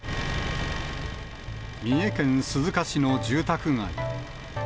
三重県鈴鹿市の住宅街。